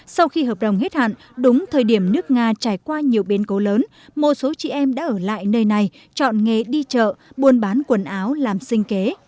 sau khi hợp đồng hết hạn đúng thời điểm nước nga trải qua nhiều biến cố lớn một số chị em đã ở lại nơi này chọn nghề đi chợ buôn bán quần áo làm sinh kế